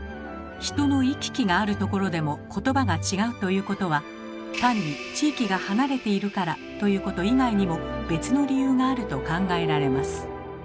人の行き来があるところでも言葉が違うということは単に地域が離れているからということ以外にも別の理由があると考えられます。